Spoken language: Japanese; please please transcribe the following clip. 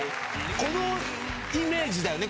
このイメージだよね。